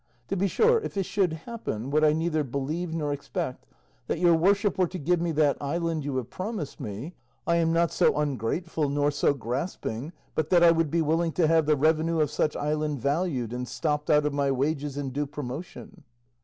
To be sure, if it should happen (what I neither believe nor expect) that your worship were to give me that island you have promised me, I am not so ungrateful nor so grasping but that I would be willing to have the revenue of such island valued and stopped out of my wages in due promotion."